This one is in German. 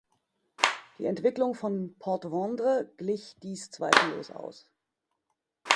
Die Entwicklung von Port-Vendres glich dies zweifellos aus.